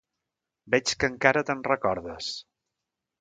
Veig que encara te'n recordes.